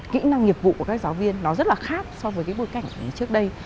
kỹ năng nghiệp vụ của các giáo viên nó rất là khác so với cái bối cảnh trước đây